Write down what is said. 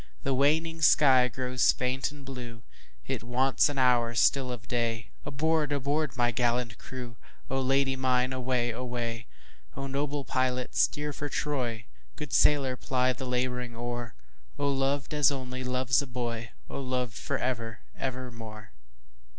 The waning sky grows faint and blue, It wants an hour still of day, Aboard! aboard! my gallant crew,O Lady mine away! away!O noble pilot steer for Troy, Good sailor ply the labouring oar,O loved as only loves a boy!O loved for ever evermore!